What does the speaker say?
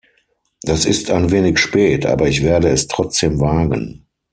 Das ist ein wenig spät, aber ich werde es trotzdem wagen.